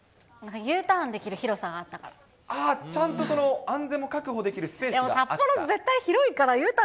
Ｕターンできる広さがあったあっ、ちゃんと安全も確保ででも札幌、絶対広いからＵタ